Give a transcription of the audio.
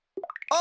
あ！